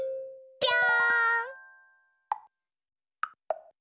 ぴょん！